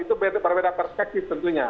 itu berbeda perspektif tentunya